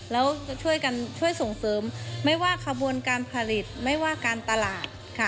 แล้วช่วยส่งเสริมไม่ว่าการผลิตไม่ว่าการตลาด